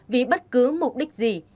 vì bất cứ mục đích gì